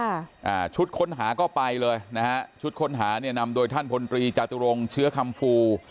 อ่าชุดค้นหาก็ไปเลยนะฮะชุดค้นหาเนี่ยนำโดยท่านพลตรีจาตุรงเชื้อคำฟู